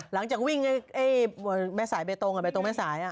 หลังจากวิ่งแม่สายเบตรงกับเบตรงแม่สาย